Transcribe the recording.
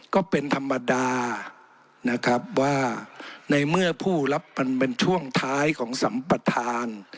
ก็เป็นธรรมดานะครับว่าในเมื่อผู้รับมันเป็นช่วงท้ายของสัมประธาน